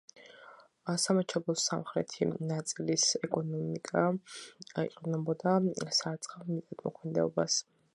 სამაჩაბლოს სამხრეთი ნაწილის ეკონომიკა ეყრდნობოდა სარწყავ მიწათმოქმედებას.